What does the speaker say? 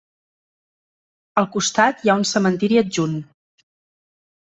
Al costat hi ha un cementiri adjunt.